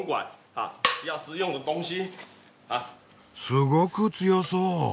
すごく強そう！